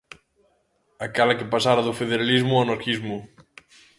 Aquela que pasara do federalismo ao anarquismo.